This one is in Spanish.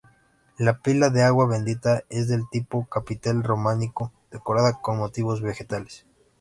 La pila de agua bendita es del tipo capitel románico, decorada con motivos vegetales.